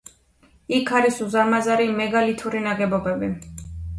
იქ არის უზარმაზარი მეგალითური ნაგებობები.